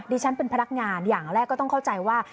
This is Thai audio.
ฉันเป็นพนักงานอย่างแรกก็ต้องเข้าใจว่า